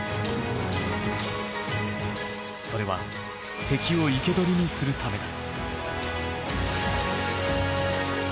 それは敵を生け捕りにするためだ。